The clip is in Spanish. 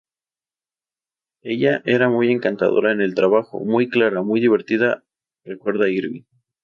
Ella era muy encantadora en el trabajo, muy clara, muy divertida", recuerda Irving.